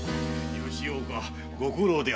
吉岡ご苦労であったの。